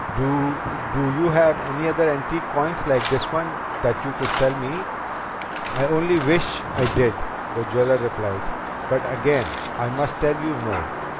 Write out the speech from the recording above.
"Do do you have any other antique coins like this one that you could sell me?" "I only wish I did," the jeweler replied. "But again I must tell you no.